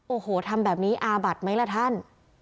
โอ้โหทำแบบนี้อาบัดไหมล่ะท่าน